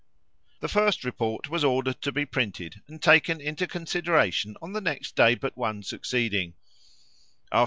The first report was ordered to be printed, and taken into consideration on the next day but one succeeding.